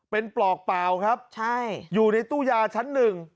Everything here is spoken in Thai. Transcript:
เป็นปลอกเปล่าครับอยู่ในตู้ยาชั้น๑